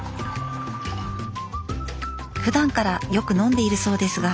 ふだんからよく飲んでいるそうですが。